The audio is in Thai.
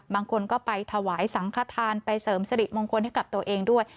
บางคนก็ไปถวายสังขทานไปเสริมสริมงคลให้กับตัวเองด้วย